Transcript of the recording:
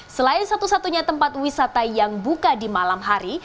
selain satu satunya tempat wisata yang buka di malam hari